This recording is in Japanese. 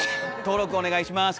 登録お願いします